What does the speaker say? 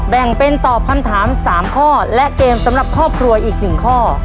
แบ่งเป็นตอบคำถาม๓ข้อและเกมสำหรับครอบครัวอีก๑ข้อ